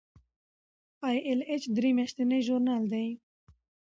ای ایل ایچ درې میاشتنی ژورنال دی.